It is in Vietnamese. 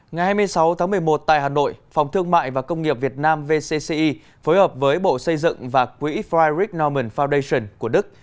ngày hai mươi sáu tháng một mươi một tại hà nội phòng thương mại và công nghiệp việt nam vcci phối hợp với bộ xây dựng và quỹ fried noman foundation của đức